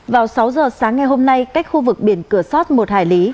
vào sáu giờ sáng ngày hôm nay cách khu vực biển cửa sót một hải lý